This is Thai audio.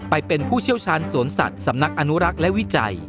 ไปเป็นผู้เชี่ยวชาญสวนสัตว์สำนักอนุรักษ์และวิจัย